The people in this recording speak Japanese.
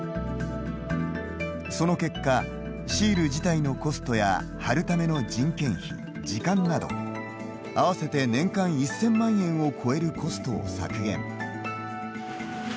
その結果、シール自体のコストや貼るための人件費、時間など合わせて年間１０００万円を超えるコストを削減。